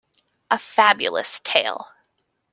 A fabulous tale.